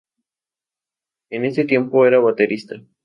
En ese tiempo era baterista.